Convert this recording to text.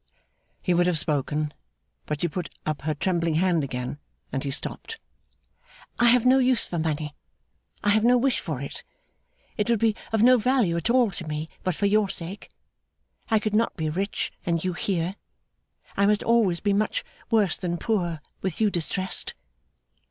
He would have spoken; but she put up her trembling hand again, and he stopped. 'I have no use for money, I have no wish for it. It would be of no value at all to me but for your sake. I could not be rich, and you here. I must always be much worse than poor, with you distressed.